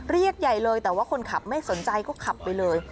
เรียกใหญ่เลยแต่ว่าคนขับไม่สนใจก็ขับไปเลย